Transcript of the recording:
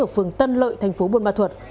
ở phường tân lợi thành phố buôn ma thuật